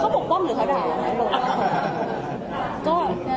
เขาป้องหรืกเขาแด๋หรือ